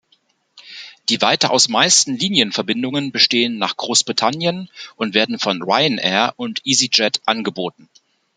Die weitaus meisten Linienverbindungen bestehen nach Großbritannien und werden von Ryanair und Easyjet angeboten.